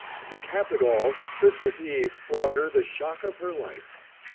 To cap it all, Christmas Eve brought her the shock of her life.